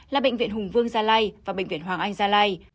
là bệnh viện hùng vương gia lai và bệnh viện hoàng anh gia lai